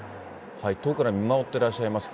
遠くから見守ってらっしゃいます。